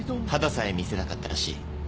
肌さえ見せなかったらしい。